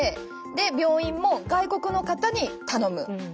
で病院も外国の方に頼む。